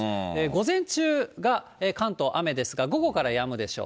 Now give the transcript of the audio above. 午前中が関東雨ですが、午後からやむでしょう。